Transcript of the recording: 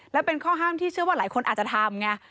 และเป็นข้อห้ามที่เชื่อว่าหลายคนอาจจะทำไง